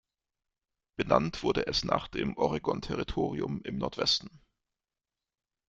Benannt wurde es nach dem Oregon-Territorium im Nordwesten.